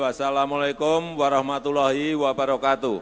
assalamu alaikum warahmatullahi wabarakatuh